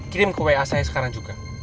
kirim ke wa saya sekarang juga